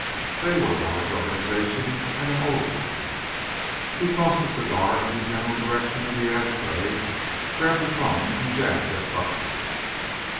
They were a large organization.... And an old one.... He tossed the cigar in the general direction of the ashtray, grabbed the phone and jabbed at buttons.